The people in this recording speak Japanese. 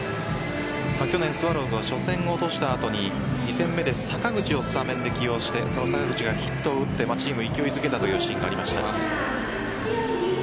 去年スワローズは初戦を落とした後に２戦目で坂口をスタメンで起用して坂口がヒットを打ってチームを勢いづけたシーンがありました。